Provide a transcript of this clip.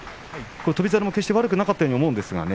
翔猿も決して悪くなかったように思うんですけれど。